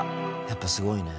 やっぱすごいね。